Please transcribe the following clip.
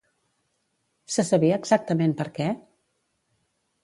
Se sabia exactament per què?